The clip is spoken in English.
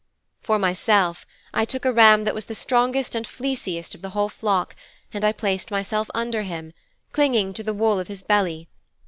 'For myself, I took a ram that was the strongest and fleeciest of the whole flock and I placed myself under him, clinging to the wool of his belly.